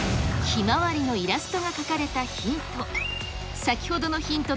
ひまわりのイラストが描かれたヒント。